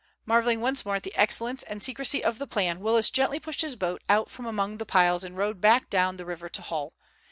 Marvelling once more at the excellence and secrecy of the plan, Willis gently pushed his boat out from among the piles and rowed back down the river to Hull.